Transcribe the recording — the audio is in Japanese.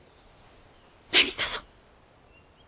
何とぞ。